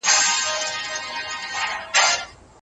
علامه رشاد د پښتنو د تاریخي هویت ساتونکی دی.